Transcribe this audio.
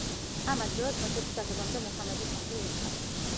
ამ ადგილას მეჩეთის აგებამდე მუჰამედის სახლი იდგა.